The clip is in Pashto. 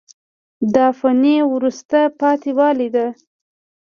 دا فني وروسته پاتې والی ده.